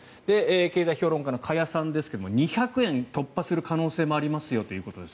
経済評論家の加谷さんですが２００円を突破する可能性もありますよということです